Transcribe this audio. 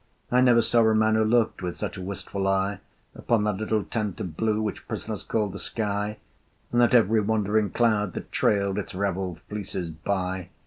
I never saw a man who looked With such a wistful eye Upon that little tent of blue Which prisoners call the sky, And at every wandering cloud that trailed Its raveled fleeces by.